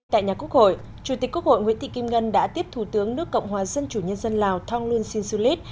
tại nhà quốc hội chủ tịch quốc hội nguyễn thị kim ngân đã tiếp thủ tướng nước cộng hòa dân chủ nhân dân lào thông luân sinh sư lít